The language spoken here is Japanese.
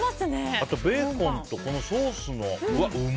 あと、ベーコンとソースの。